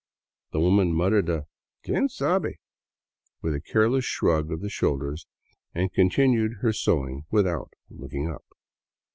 The woman muttered a " Quien sabe " with a careless shrug of the shoulders and continued her sewing without looking up.